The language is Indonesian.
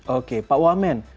oke pak wamen